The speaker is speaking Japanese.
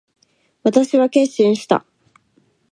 私は決心した。